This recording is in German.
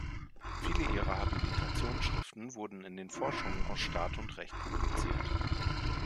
Viele ihrer Habilitationsschriften wurden in den "Forschungen aus Staat und Recht" publiziert.